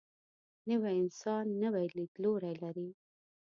نوی انسان نوی لیدلوری لري